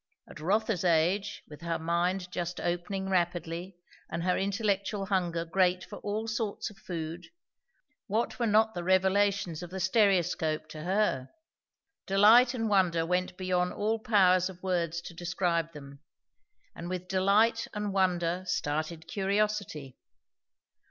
At Rotha's age, with her mind just opening rapidly and her intellectual hunger great for all sorts of food, what were not the revelations of the stereoscope to her! Delight and wonder went beyond all power of words to describe them. And with delight and wonder started curiosity.